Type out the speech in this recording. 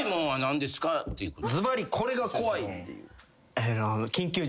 ずばりこれが怖いっていう。